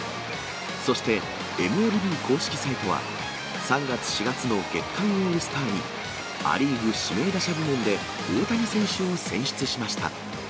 そして、ＭＬＢ公式サイトは、３月、４月の月間オールスターに、ア・リーグ指名打者部門で、大谷選手を選出しました。